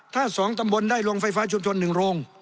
ถ้า๒ตำบลได้โรงไฟฟ้าชุมชน๑โรง